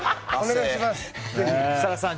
設楽さん